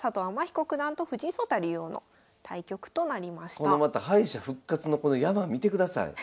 このまた敗者復活のこの山見てください。